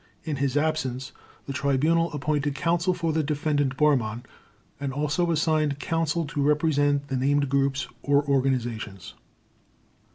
In his absence the Tribunal appointed Counsel for the Defendant Bormann, and also assigned Counsel to represent the named groups or organizations.